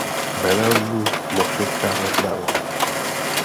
Velel jí Moše Karmel.